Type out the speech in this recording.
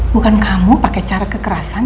bukan kamu pakai cara kekerasan